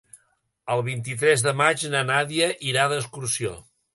El vint-i-tres de maig na Nàdia irà d'excursió.